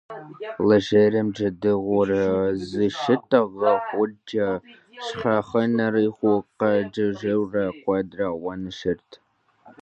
Лэжьэрейм джэдыгур зыщитӀэгъэхукӀэ щхьэхынэр игу къэкӀыжурэ куэдрэ ауан ищӀырт.